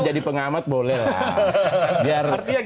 jadi pengamat boleh lah